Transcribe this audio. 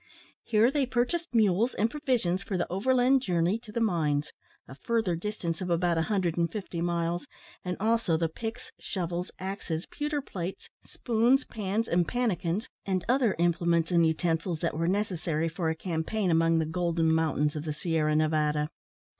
Here they purchased mules and provisions for the overland journey to the mines a further distance of about a hundred and fifty miles, and also the picks, shovels, axes, pewter plates, spoons, pans, and pannikins, and other implements and utensils that were necessary for a campaign among the golden mountains of the Sierra Nevada.